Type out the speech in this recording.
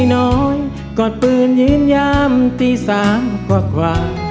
อยู่ป่อมน้อยกอดปืนยิ้มยามตีสามกว่า